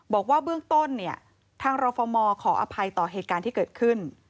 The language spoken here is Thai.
บอกว่าเบื้องต้นเนี่ยทางรฟมขออภัยต่อเหตุการณ์ที่เกิดขึ้น